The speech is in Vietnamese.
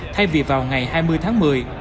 thay vì vào ngày hai mươi tháng một mươi